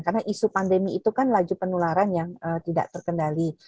karena isu pandemi itu kan laju penularan yang tidak terkendali